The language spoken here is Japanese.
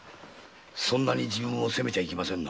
そんなに自分を責めちゃいけませんなあ。